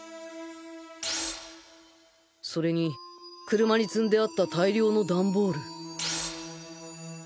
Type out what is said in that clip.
それに車に積んであった大量のダンボール